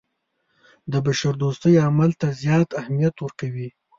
د بشردوستۍ عمل ته زیات اهمیت ورکوي.